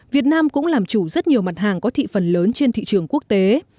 việt nam cũng làm chủ rất nhiều mặt hàng có thị phần lớn trên thị trường quốc tế